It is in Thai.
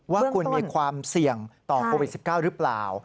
ว่าคุณมีความเสี่ยงต่อโควิด๑๙หรือเปล่า